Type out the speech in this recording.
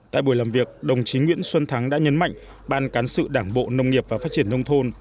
tại buổi làm việc đồng chí nguyễn xuân thắng đã nhấn mạnh ban cán sự đảng bộ nông nghiệp và phát triển nông thôn